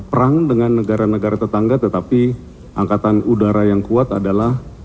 perang dengan negara negara tetangga tetapi angkatan udara yang kuat adalah